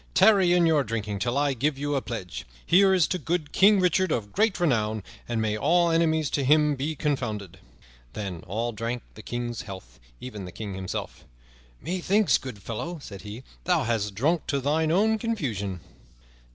"Tarry in your drinking till I give you a pledge. Here is to good King Richard of great renown, and may all enemies to him be confounded." Then all drank the King's health, even the King himself. "Methinks, good fellow," said he, "thou hast drunk to thine own confusion."